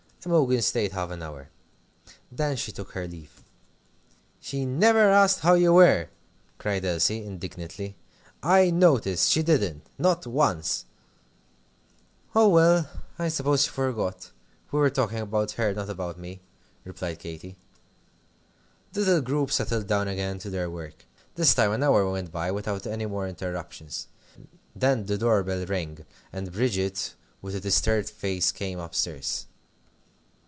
Imogen stayed half an hour. Then she took her leave. "She never asked how you were!" cried Elsie, indignantly; "I noticed, and she didn't not once." "Oh well I suppose she forgot. We were talking about her, not about me," replied Katy. The little group settled down again to their work. This time half an hour went by without any more interruptions. Then the door bell rang, and Bridget, with a disturbed face, came up stairs.